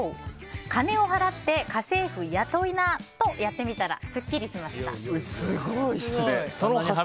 金を払って家政婦雇いなとやってみたら、すっきりしました。